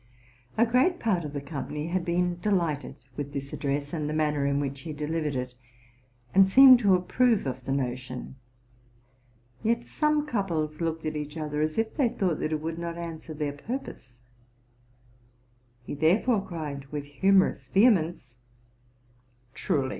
'' A great part of the company had been delighted with this address, and the manner in which he deliv ered. it, and seemed to approve of the notion; yet some couples looked at each other as if they thought that it would not answer their pur pose: he therefore er ried with humorous vehemence, —'* Truly